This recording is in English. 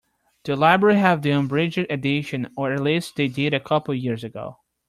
The library have the unabridged edition, or at least they did a couple of years ago.